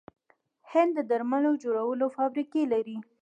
هند د درملو جوړولو فابریکې لري.